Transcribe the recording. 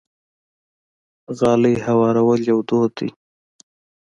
غالۍ هوارول یو دود دی.